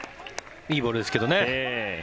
いいボールですけどね。